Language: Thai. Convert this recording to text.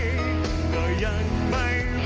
แล้วความรักของเรายังดีใช่ไหม